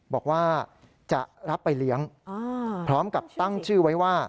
บอกว่าจะรับไปเลี้ยงพร้อมกับตั้งชื่อไว้ว่า